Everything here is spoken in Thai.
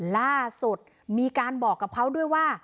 ล่าสุดมีการบอกกับเขาด้วยว่า